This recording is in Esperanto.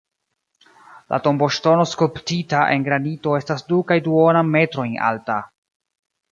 La tomboŝtono skulptita en granito estas du kaj duonan metrojn alta.